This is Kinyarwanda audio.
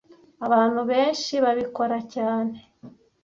Abantu benshi babikora cyane